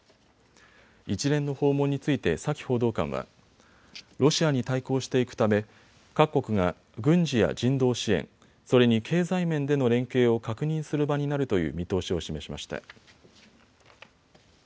一連の訪問についてサキ報道官はロシアに対抗していくため各国が軍事や人道支援、それに経済面での連携を確認する場になるという見通しを示しました。